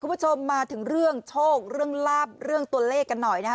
คุณผู้ชมมาถึงเรื่องโชคเรื่องลาบเรื่องตัวเลขกันหน่อยนะฮะ